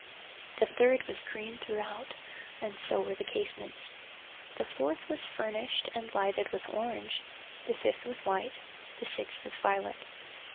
The third was green throughout, and so were the casements. The fourth was furnished and lighted with orange—the fifth with white—the sixth with violet.